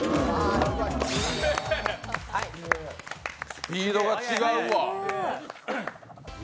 スピードが違うわ。